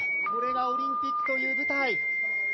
これがオリンピックという舞台。